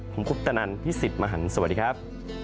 ผมคุปตนันพี่สิทธิ์มหันฯสวัสดีครับ